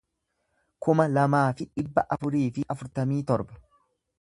kuma lamaa fi dhibba afurii fi afurtamii torba